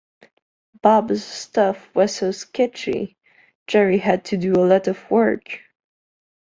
Bob's stuff was so sketchy, Jerry had to do a lot of work.